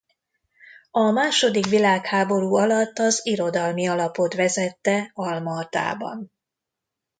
A második világháború alatt az Irodalmi Alapot vezette Alma Atában.